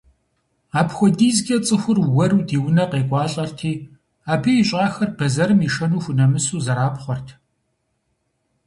АпхуэдизкӀэ цӀыхур уэру ди унэ къекӀуалӀэрти, абы ищӀахэр, бэзэрым ишэну хунэмысу, зэрапхъуэрт.